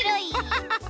ハハハ